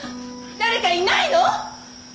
誰かいないの！？